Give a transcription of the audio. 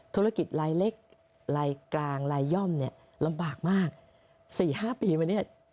ธุรกิจลายเล็กลายกลางลายย่อมเนี่ยลำบากมาก๔๕ปีมาเนี่ย